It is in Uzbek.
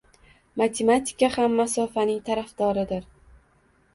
Matematika ham masofaning tarafdoridir